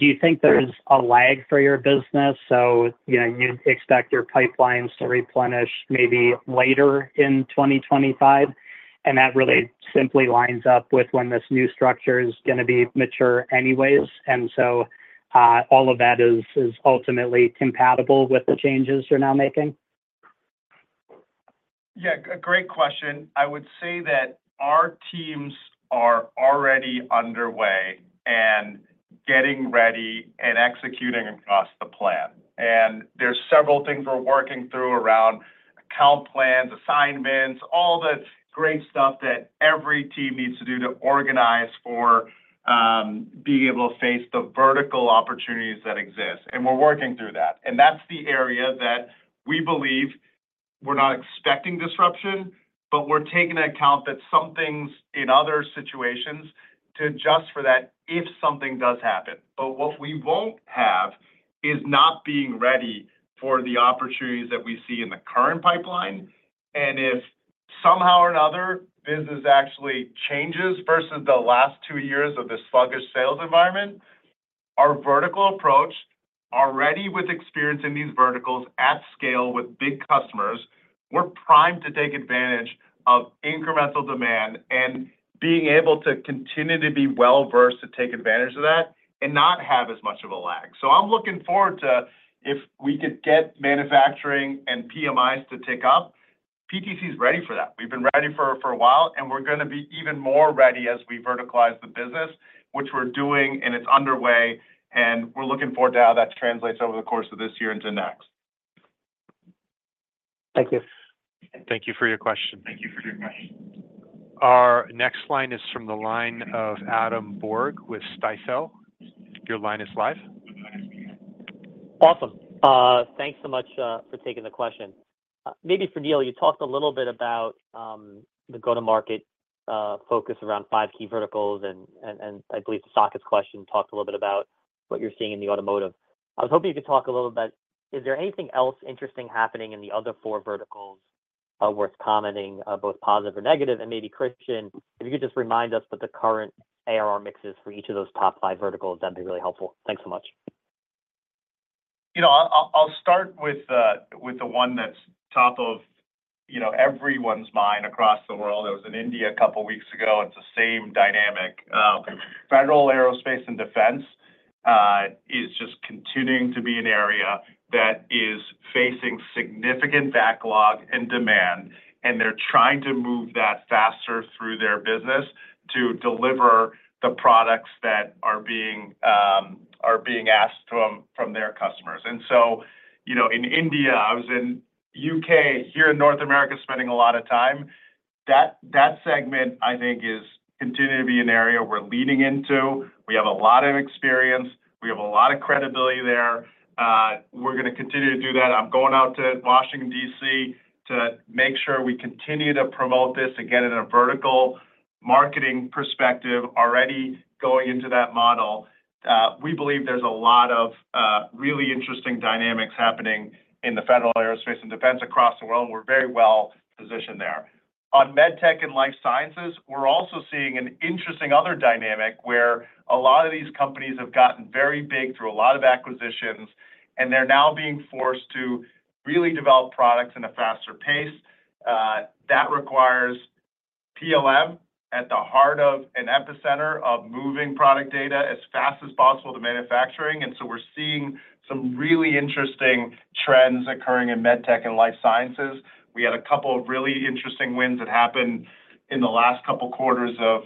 do you think there's a lag for your business? So you'd expect your pipelines to replenish maybe later in 2025. And that really simply lines up with when this new structure is going to be mature anyways. And so all of that is ultimately compatible with the changes you're now making? Yeah. Great question. I would say that our teams are already underway and getting ready and executing across the plan. And there's several things we're working through around account plans, assignments, all the great stuff that every team needs to do to organize for being able to face the vertical opportunities that exist. And we're working through that. That's the area that we believe we're not expecting disruption, but we're taking into account that some things in other situations to adjust for that if something does happen, but what we won't have is not being ready for the opportunities that we see in the current pipeline. If somehow or another business actually changes versus the last two years of this sluggish sales environment, our vertical approach already with experience in these verticals at scale with big customers, we're primed to take advantage of incremental demand and being able to continue to be well-versed to take advantage of that and not have as much of a lag. I'm looking forward to if we could get manufacturing and PMIs to tick up. PTC is ready for that. We've been ready for a while, and we're going to be even more ready as we verticalize the business, which we're doing, and it's underway. And we're looking forward to how that translates over the course of this year into next. Thank you. Thank you for your question. Our next line is from the line of Adam Borg with Stifel. Your line is live. Awesome. Thanks so much for taking the question. Maybe for Neil, you talked a little bit about the go-to-market focus around five key verticals. And I believe Saket's question talked a little bit about what you're seeing in the automotive. I was hoping you could talk a little bit. Is there anything else interesting happening in the other four verticals worth commenting, both positive or negative? Maybe, Kristian, if you could just remind us what the current ARR mix is for each of those top five verticals, that'd be really helpful. Thanks so much. I'll start with the one that's top of everyone's mind across the world. I was in India a couple of weeks ago. It's the same dynamic. Federal Aerospace and Defense is just continuing to be an area that is facing significant backlog and demand. They're trying to move that faster through their business to deliver the products that are being asked from their customers. So in India, I was in the U.K., here in North America, spending a lot of time. That segment, I think, is continuing to be an area we're leaning into. We have a lot of experience. We have a lot of credibility there. We're going to continue to do that. I'm going out to Washington, D.C., to make sure we continue to promote this again in a vertical marketing perspective already going into that model. We believe there's a lot of really interesting dynamics happening in the Federal Aerospace and Defense across the world, and we're very well positioned there. On med tech and life sciences, we're also seeing an interesting other dynamic where a lot of these companies have gotten very big through a lot of acquisitions, and they're now being forced to really develop products at a faster pace. That requires PLM at the heart of an epicenter of moving product data as fast as possible to manufacturing. And so we're seeing some really interesting trends occurring in med tech and life sciences. We had a couple of really interesting wins that happened in the last couple of quarters of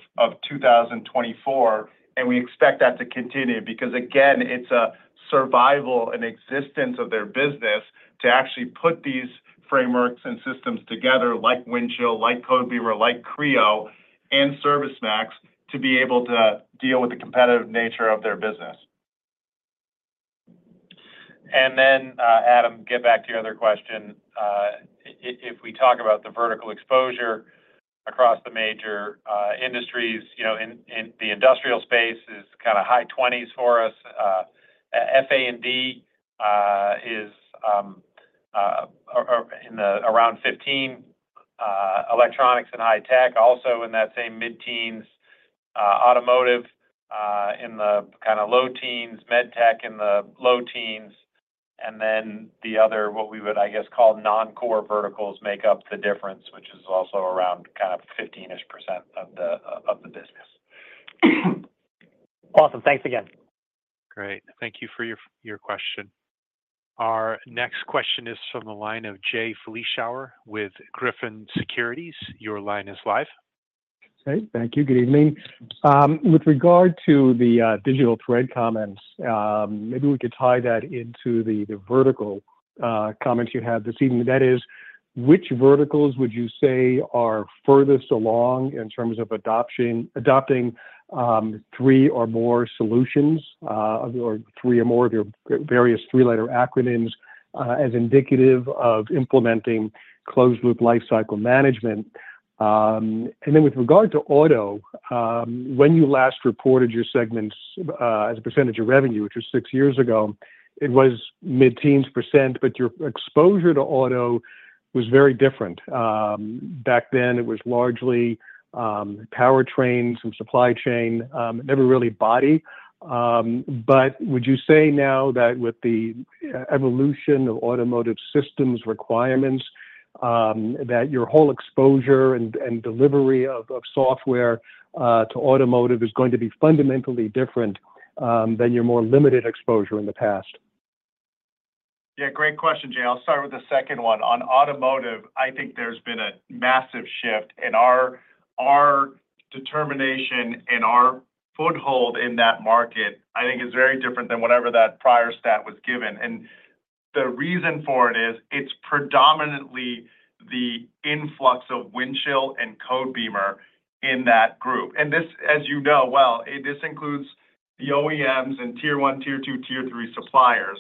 2024, and we expect that to continue because, again, it's a survival and existence of their business to actually put these frameworks and systems together like Windchill, like Codebeamer, like Creo, and ServiceMax to be able to deal with the competitive nature of their business. And then, Adam, get back to your other question. If we talk about the vertical exposure across the major industries, the industrial space is kind of high 20%s for us. FA&D is around 15%, electronics and high tech, also in that same mid-teens. Automotive in the kind of low teens, med tech in the low teens. And then the other, what we would, I guess, call non-core verticals make up the difference, which is also around kind of 15%-ish of the business. Awesome. Thanks again. Great. Thank you for your question. Our next question is from the line of Jay Vleeschhouwer with Griffin Securities. Your line is live. Okay. Thank you. Good evening. With regard to the digital thread comments, maybe we could tie that into the vertical comments you had this evening. That is, which verticals would you say are furthest along in terms of adopting three or more solutions or three or more of your various three-letter acronyms as indicative of implementing closed-loop life cycle management? And then with regard to auto, when you last reported your segments as a percentage of revenue, which was six years ago, it was mid-teens%, but your exposure to auto was very different. Back then, it was largely powertrains and supply chain, never really body. But would you say now that with the evolution of automotive systems requirements, that your whole exposure and delivery of software to automotive is going to be fundamentally different than your more limited exposure in the past? Yeah. Great question, Jay. I'll start with the second one. On automotive, I think there's been a massive shift. And our determination and our foothold in that market, I think, is very different than whatever that prior stat was given. And the reason for it is it's predominantly the influx of Windchill and Codebeamer in that group. And this, as you know well, this includes the OEMs and tier one, tier two, tier three suppliers.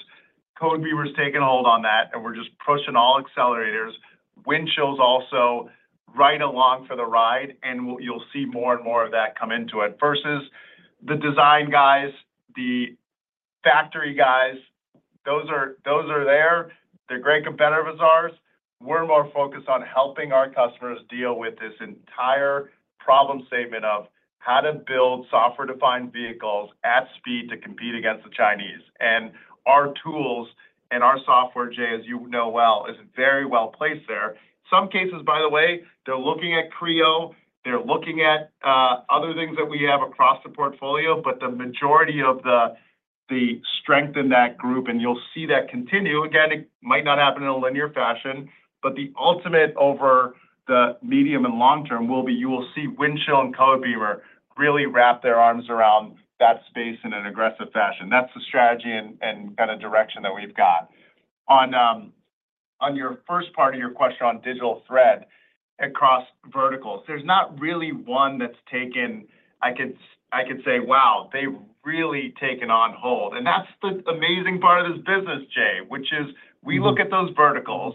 Codebeamer's taking hold on that, and we're just pushing all accelerators. Windchill's also right along for the ride, and you'll see more and more of that come into it. Versus the design guys, the factory guys, those are there. They're great competitors of ours. We're more focused on helping our customers deal with this entire problem statement of how to build software-defined vehicles at speed to compete against the Chinese. And our tools and our software, Jay, as you know well, is very well placed there. Some cases, by the way, they're looking at Creo. They're looking at other things that we have across the portfolio, but the majority of the strength in that group, and you'll see that continue. Again, it might not happen in a linear fashion, but the ultimate over the medium and long term will be you will see Windchill and Codebeamer really wrap their arms around that space in an aggressive fashion. That's the strategy and kind of direction that we've got. On your first part of your question on digital thread across verticals, there's not really one that's taken hold I could say, "Wow, they've really taken hold." And that's the amazing part of this business, Jay, which is we look at those verticals,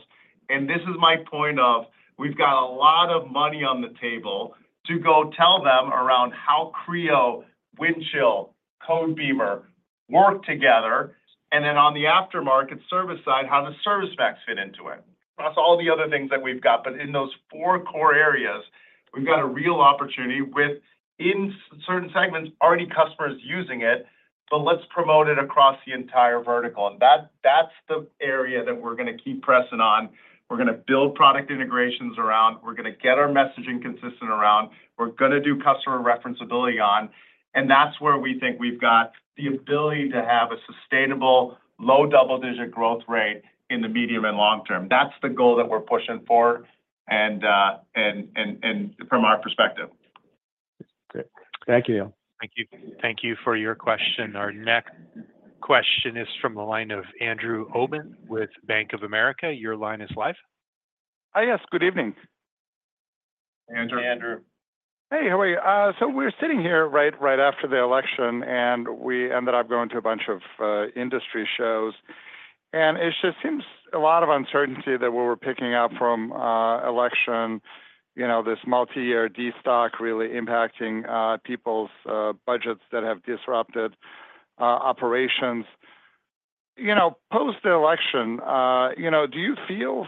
and this is my point of we've got a lot of money on the table to go sell them on how Creo, Windchill, Codebeamer work together. And then on the aftermarket service side, how does ServiceMax fit into it? That's all the other things that we've got. But in those four core areas, we've got a real opportunity with, in certain segments, already customers using it, but let's promote it across the entire vertical. And that's the area that we're going to keep pressing on. We're going to build product integrations around. We're going to get our messaging consistent around. We're going to do customer referenceability on. And that's where we think we've got the ability to have a sustainable low double-digit growth rate in the medium and long term. That's the goal that we're pushing for and from our perspective. Thank you. Thank you. Thank you for your question. Our next question is from the line of Andrew Obin with Bank of America. Your line is live. Hi. Yes. Good evening. Hey, Andrew. Hey. How are you? So we're sitting here right after the election, and we ended up going to a bunch of industry shows. And it just seems a lot of uncertainty that we were picking up from election, this multi-year de-stock really impacting people's budgets that have disrupted operations. Post-election, do you feel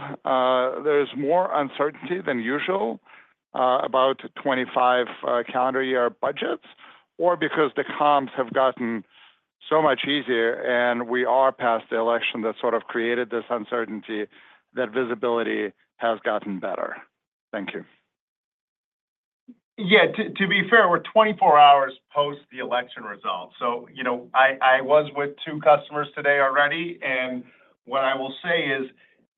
there's more uncertainty than usual about 2025 calendar year budgets or because the comps have gotten so much easier and we are past the election that sort of created this uncertainty that visibility has gotten better? Thank you. Yeah. To be fair, we're 24 hours post the election results. I was with two customers today already. And what I will say is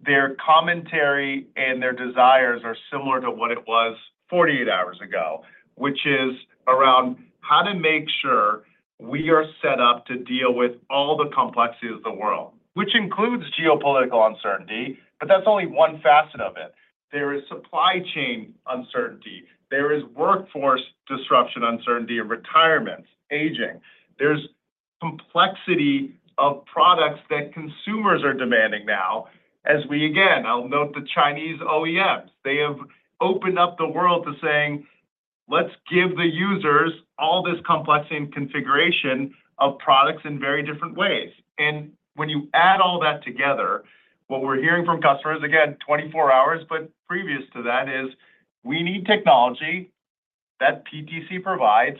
their commentary and their desires are similar to what it was 48 hours ago, which is around how to make sure we are set up to deal with all the complexities of the world, which includes geopolitical uncertainty, but that's only one facet of it. There is supply chain uncertainty. There is workforce disruption uncertainty and retirements, aging. There's complexity of products that consumers are demanding now as we, again, I'll note the Chinese OEMs. They have opened up the world to saying, "Let's give the users all this complexity and configuration of products in very different ways." And when you add all that together, what we're hearing from customers, again, 24 hours, but previous to that, is we need technology that PTC provides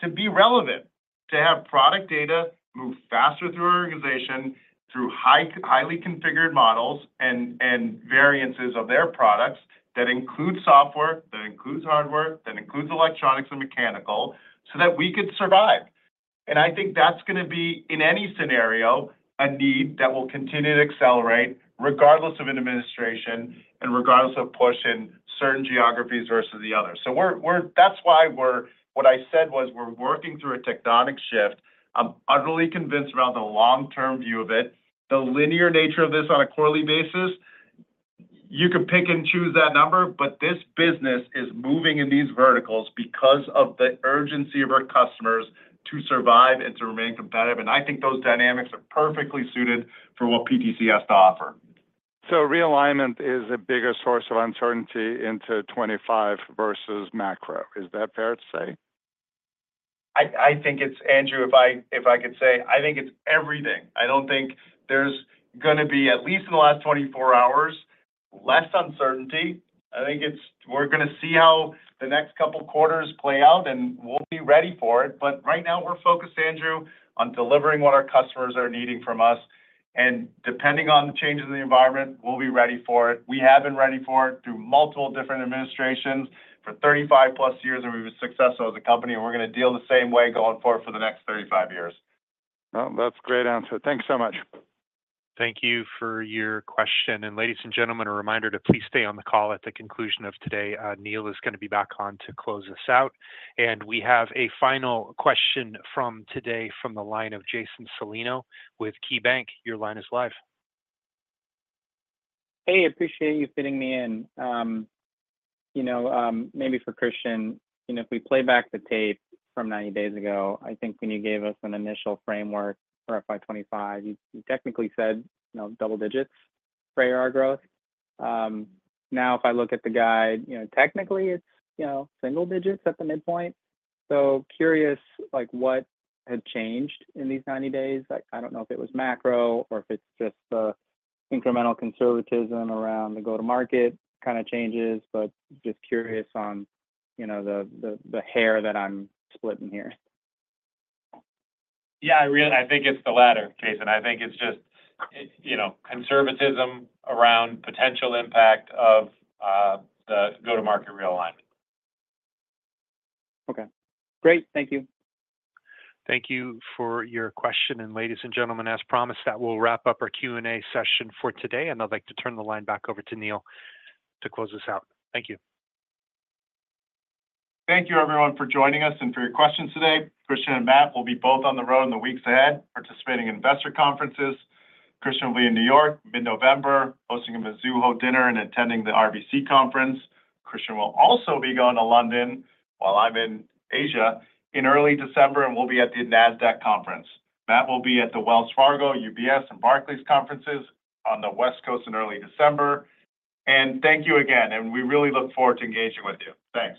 to be relevant, to have product data move faster through our organization through highly configured models and variances of their products that include software, that includes hardware, that includes electronics and mechanical so that we could survive. And I think that's going to be, in any scenario, a need that will continue to accelerate regardless of administration and regardless of pushing certain geographies versus the other. So that's why what I said was we're working through a tectonic shift. I'm utterly convinced around the long-term view of it. The linear nature of this on a quarterly basis, you could pick and choose that number, but this business is moving in these verticals because of the urgency of our customers to survive and to remain competitive. And I think those dynamics are perfectly suited for what PTC has to offer. So realignment is a bigger source of uncertainty into 25 versus macro. Is that fair to say? I think it's, Andrew, if I could say, I think it's everything. I don't think there's going to be, at least in the last 24 hours, less uncertainty. I think we're going to see how the next couple of quarters play out, and we'll be ready for it. But right now, we're focused, Andrew, on delivering what our customers are needing from us. And depending on the changes in the environment, we'll be ready for it. We have been ready for it through multiple different administrations for +35 years, and we've been successful as a company. And we're going to deal the same way going forward for the next 35 years. Well, that's a great answer. Thanks so much. Thank you for your question. And ladies and gentlemen, a reminder to please stay on the call at the conclusion of today. Neil is going to be back on to close us out. And we have a final question from today from the line of Jason Celino with KeyBanc. Your line is live. Hey, appreciate you fitting me in. Maybe for Kristian, if we play back the tape from 90 days ago, I think when you gave us an initial framework for FY 2025, you technically said double digits for ARR growth. Now, if I look at the guide, technically, it's single digits at the midpoint. So, curious what had changed in these 90 days. I don't know if it was macro or if it's just the incremental conservatism around the go-to-market kind of changes, but just curious on the hair that I'm splitting here. Yeah. I think it's the latter, Jason. I think it's just conservatism around potential impact of the go-to-market realignment. Okay. Great. Thank you. Thank you for your question. And ladies and gentlemen, as promised, that will wrap up our Q&A session for today. And I'd like to turn the line back over to Neil to close this out. Thank you. Thank you, everyone, for joining us and for your questions today. Kristian and Matt will be both on the road in the weeks ahead participating in investor conferences. Kristian will be in New York mid-November, hosting a Mizuho dinner and attending the RBC conference. Kristian will also be going to London while I'm in Asia in early December, and we'll be at the NASDAQ conference. Matt will be at the Wells Fargo, UBS, and Barclays conferences on the West Coast in early December. Thank you again. We really look forward to engaging with you. Thanks.